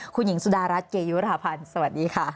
คุณหญิงสุดารัฐเกยุราพันธ์สวัสดีค่ะ